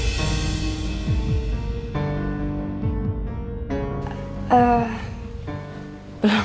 pemben gak mau nanya soal gizi